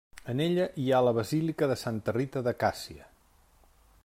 En ella hi ha la Basílica de Santa Rita de Càssia.